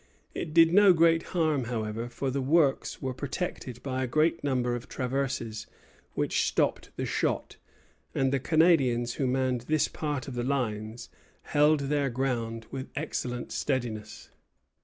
It did no great harm, however, for the works were protected by a great number of traverses, which stopped the shot; and the Canadians, who manned this part of the lines, held their ground with excellent steadiness.